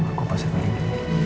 aku pasti akan lindungi